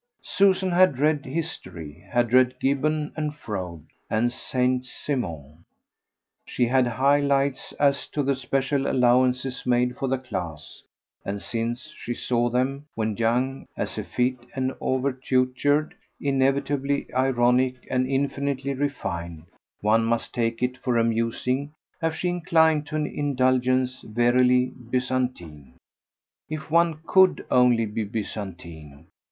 Susan had read history, had read Gibbon and Froude and Saint Simon; she had high lights as to the special allowances made for the class, and, since she saw them, when young, as effete and overtutored, inevitably ironic and infinitely refined, one must take it for amusing if she inclined to an indulgence verily Byzantine. If one COULD only be Byzantine!